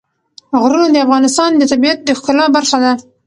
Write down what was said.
غرونه د افغانستان د طبیعت د ښکلا برخه ده.